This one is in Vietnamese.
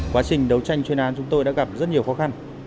quá trình đấu tranh chuyên án chúng tôi đã gặp rất nhiều khó khăn